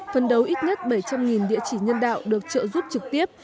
phân đấu ít nhất bảy trăm linh địa chỉ nhân đạo được trợ giúp trực tiếp